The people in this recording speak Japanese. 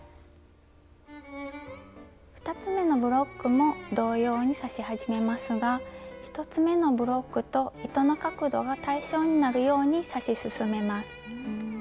２つ目のブロックも同様に刺し始めますが１つ目のブロックと糸の角度が対称になるように刺し進めます。